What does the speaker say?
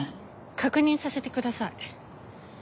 確認させてください。